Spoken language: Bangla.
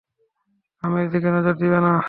খামের দিকে নজর দিবে না!